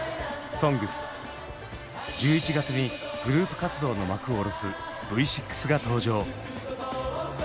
「ＳＯＮＧＳ」１１月にグループ活動の幕を下ろすＶ６が登場。